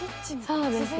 そうですね。